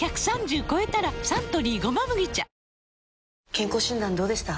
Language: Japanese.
健康診断どうでした？